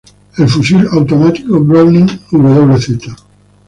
El fusil automático Browning wz.